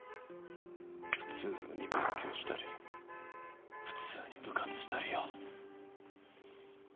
普通に勉強したり普通に部活したりよ。